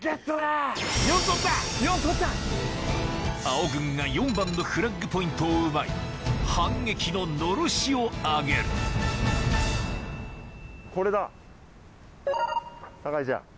青軍が４番のフラッグポイントを奪い反撃ののろしを上げるこれだ酒井ちゃん。